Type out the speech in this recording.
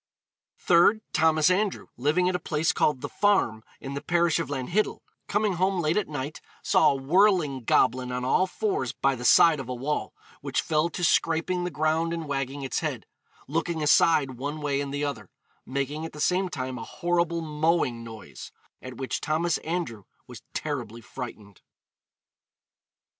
Third: Thomas Andrew, living at a place called The Farm, in the parish of Lanhiddel, coming home late at night saw a whirling goblin on all fours by the side of a wall, which fell to scraping the ground and wagging its head, 'looking aside one way and the other,' making at the same time a horrible mowing noise; at which Thomas Andrew 'was terribly frightened.'